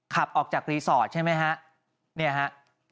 ขับออกจากรีสอร์ทใช่ไหมครับ